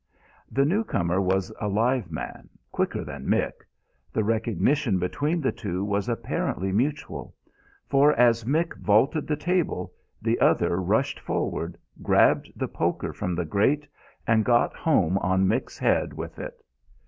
The newcomer was a live man, quicker than Mick. The recognition between the two was apparently mutual; for as Mick vaulted the table the other rushed forward, grabbed the poker from the grate, and got home on Mick's head with it.